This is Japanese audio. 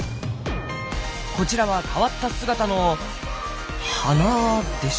こちらは変わった姿の花でしょうか？